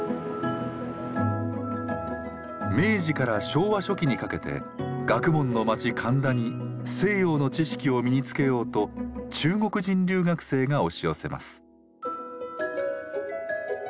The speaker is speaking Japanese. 明治から昭和初期にかけて学問の街神田に西洋の知識を身につけようと中国人留学生が押し寄せます。